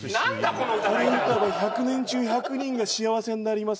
この歌この歌で１００人中１００人が幸せになります